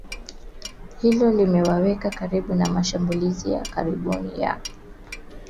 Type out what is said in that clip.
Hilo linawaweka karibu na mashambulizi ya karibuni ya